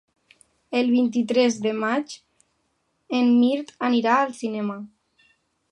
El vint-i-tres de maig en Mirt anirà al cinema.